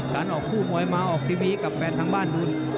การออกคู่มวยมาให้ออกทีวีกับแฟนทั้งบ้านดู